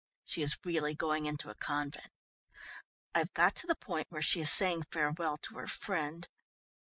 She is really going into a convent. I've got to the point where she is saying farewell to her friend.